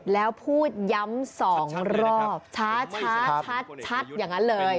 แล้วพูดย้ำ๒รอบช้าชัดอย่างนั้นเลย